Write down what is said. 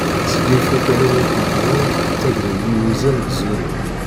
Seg yifurkan-is irqaqanen ttaglen-d yiguza n tẓurin.